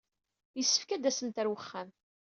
Yessefk ad d-tasemt ɣer wexxam.